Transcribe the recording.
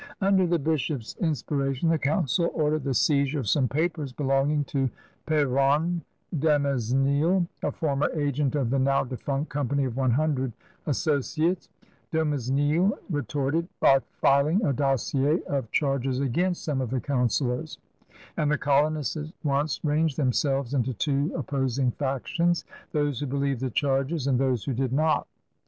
Under the bishop's inspira tion the Council ordered the seizure of some papers THE AGE OP LOUIS QUATORZE 7S belonging to P6ronne Dumesnil» a former agent of the now defunct G>mpany of One Hundred Asso ciates. Dumesnil retorted by filing a dossier of charges against some of the councilors; and the colonists at once ranged themselves into two op posing factions — those who believed the charges and those who did not.